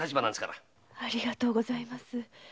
ありがとうございます。